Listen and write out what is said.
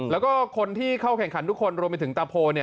แล้วก็คนที่เข้าแข่งขันทุกคนรวมไปถึงตะโพ